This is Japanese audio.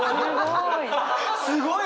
すごい！